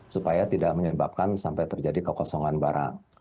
supaya tidak menyebabkan sampai terjadi kekosongan barang